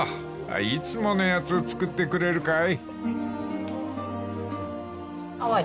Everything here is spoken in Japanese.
［いつものやつ作ってくれるかい？］